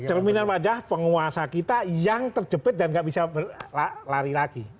cerminan wajah penguasa kita yang terjepit dan gak bisa lari lagi